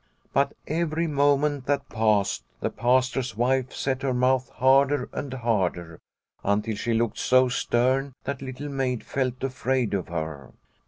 But every moment that passed the Pastor's wife set her mouth harder and harder, until she looked so stern that Little Maid felt afraid of her.